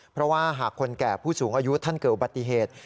เพราะว่าหากคนแก่ผู้สูงอายุท่านเกิดอุบัติเหตุ